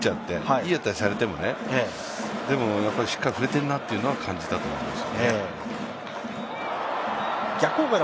いい当たりされてもね、でもしっかり振れてるなというのは感じたと思います。